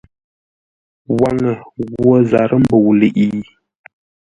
Waŋə ghwo zarə́ mbə̂u ləiʼi?